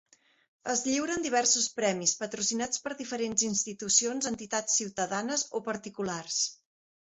Es lliuren diversos premis patrocinats per diferents institucions, entitats ciutadanes o particulars.